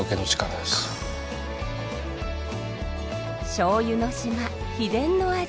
しょうゆの島秘伝の味。